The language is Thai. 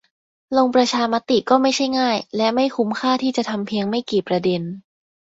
ลงประชามติก็ไม่ใช่ง่ายและไม่คุ้มค่าที่จะทำเพียงไม่กี่ประเด็น